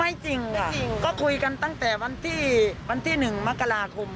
ไม่จริงก็คุยกันตั้งแต่วันที่๑มกราคม